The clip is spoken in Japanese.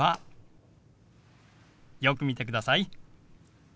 よく見てください。